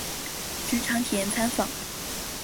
职场体验参访